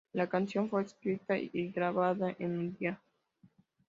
La canción fue escrita y grabada en un día.